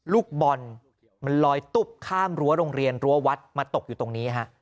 ลูกบอลมันลอยตุ๊บข้ามรั้วโรงเรียนรั้ววัดมาตกอยู่ตรงนี้ฮะ